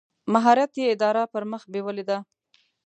مهارت یې اداره پر مخ بېولې ده.